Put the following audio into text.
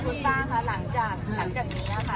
คุณป้าค่ะหลังจากหลังจากนี้อ่ะค่ะ